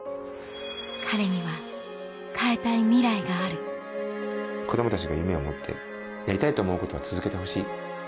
彼には変えたいミライがある子供たちが夢を持ってやりたいと思うことは続けてほしい。